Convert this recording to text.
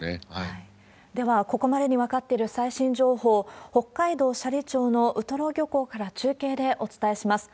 では、ここまでに分かっている最新情報、北海道斜里町のウトロ漁港から中継でお伝えします。